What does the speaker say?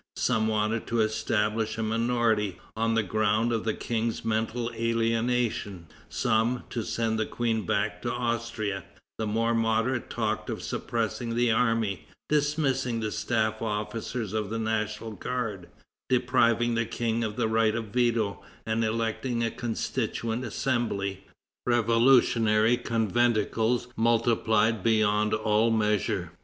Some wanted to establish a minority, on the ground of the King's mental alienation; some, to send the Queen back to Austria; the more moderate talked of suppressing the army, dismissing the staff officers of the National Guard, depriving the King of the right of veto, and electing a Constituent Assembly. Revolutionary conventicles multiplied beyond all measure.